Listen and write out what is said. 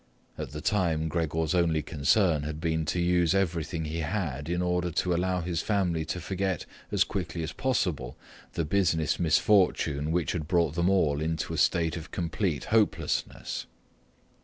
At the time Gregor's only concern had been to use everything he had in order to allow his family to forget as quickly as possible the business misfortune which had brought them all into a state of complete hopelessness.